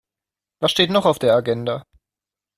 Was steht noch auf der Agenda?